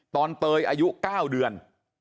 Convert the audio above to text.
เตยอายุ๙เดือน